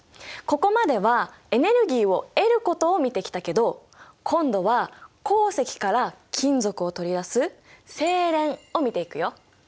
ここまではエネルギーを得ることを見てきたけど今度は鉱石から金属を取り出す製錬を見ていくよ！